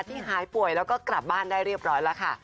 หายป่วยแล้วก็กลับบ้านได้เรียบร้อยแล้วค่ะ